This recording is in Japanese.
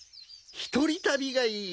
一人旅がいい！